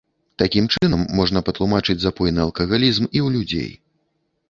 Такім чынам можна патлумачыць запойны алкагалізм і ў людзей.